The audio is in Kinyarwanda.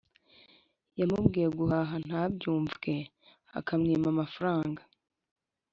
Yamubwira guhaha ntabyumvwe akamwima amafaranga